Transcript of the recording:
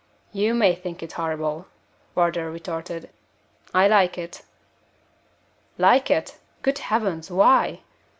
"You may think it horrible," Wardour retorted; "I like it." "Like it? Good Heavens! why?"